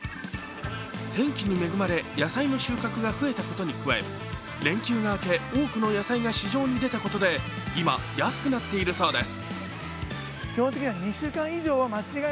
天気に恵まれ、野菜の収穫が増えたことに加え連休が明け、多くの野菜が市場に出たことで、今、安くなっているそうです。